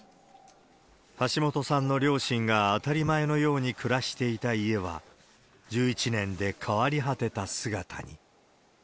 橋本さんの両親が当たり前のように暮らしていた家は、１１年で変わり果てた姿に。